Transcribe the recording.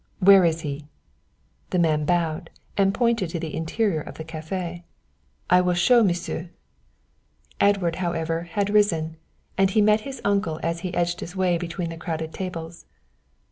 "Where is he?" The man bowed, and pointed to the interior of the café. "I will show m'sieu." Edward, however, had risen, and he met his uncle as he edged his way between the crowded tables.